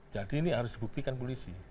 jadi ini harus dibuktikan polisi